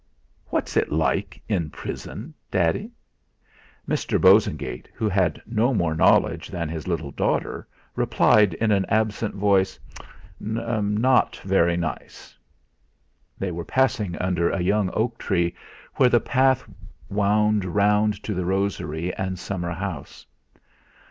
"What's it like in prison, Daddy?" Mr. Bosengate, who had no more knowledge than his little daughter, replied in an absent voice: "Not very nice." They were passing under a young oak tree, where the path wound round to the rosery and summer house.